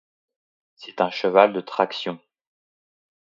C'est un cheval de traction.